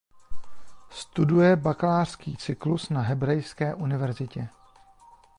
Studuje bakalářský cyklus na Hebrejské univerzitě.